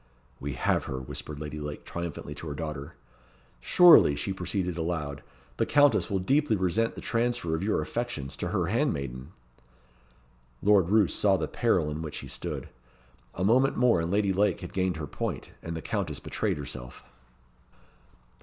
"We have her," whispered Lady Lake triumphantly to her daughter. "Surely," she proceeded aloud, "the Countess will deeply resent the transfer of your affections to her handmaiden." Lord Roos saw the peril in which he stood. A moment more and Lady Lake had gained her point, and the Countess betrayed herself.